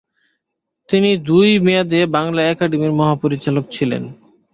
তিনি দুই মেয়াদে বাংলা একাডেমীর মহাপরিচালক ছিলেন।